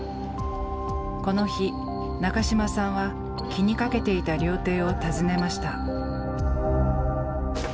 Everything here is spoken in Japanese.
この日中島さんは気にかけていた料亭を訪ねました。